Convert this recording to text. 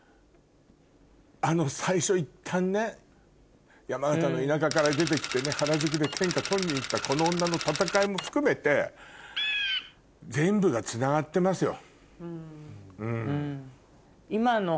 あの最初いったんね山形の田舎から出て来て原宿で天下取りに行ったこの女の戦いも含めて全部がつながってますよ。